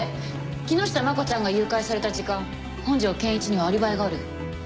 木下真子ちゃんが誘拐された時間本条健一にはアリバイがある。